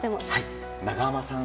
長濱さん